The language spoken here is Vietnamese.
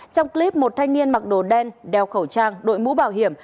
trong clip một thanh niên mặc đồ đen đeo khẩu trang đội mũ bảo hiểm